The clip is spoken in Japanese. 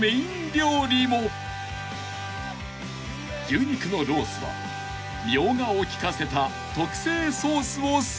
［牛肉のロースはミョウガを利かせた特製ソースを添えて］